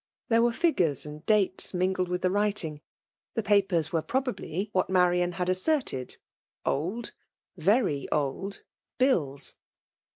There were figures and 3Z FEMALE DOMINATION. dates jningled with the writing ; ±he papers were probably, what Marian had asserted, old, very old bills.